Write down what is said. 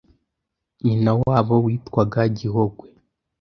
Nyina wabo witwaga Gihogwe